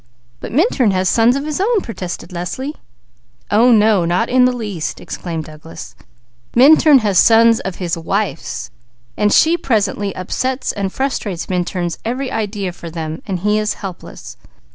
"But Minturn has sons of his own!" protested Leslie. "Oh no! Not in the least!" exclaimed Douglas. "Minturn has sons of his wife's. She persistently upsets and frustrates Minturn's every idea for them, while he is helpless.